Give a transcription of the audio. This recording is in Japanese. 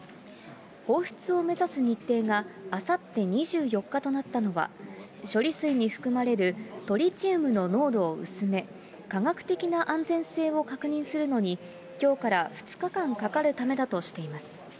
放出を目指す日程があさって２４日となったのは、処理水に含まれるトリチウムの濃度を薄め、科学的な安全性を確認するのに、きょうから２日間かかるためだとしています。